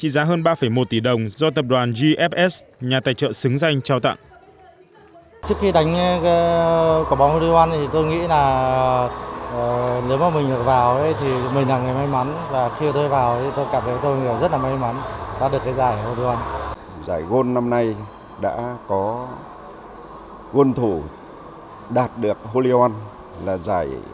giá hơn ba một tỷ đồng do tập đoàn gfs nhà tài trợ xứng danh trao tặng